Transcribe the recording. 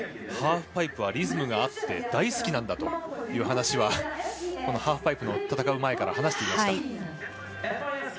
ハーフパイプはリズムがあって大好きなんだという話はハーフパイプを戦う前から話していました。